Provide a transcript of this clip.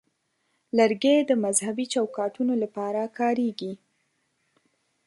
لرګی د مذهبي چوکاټونو لپاره کارېږي.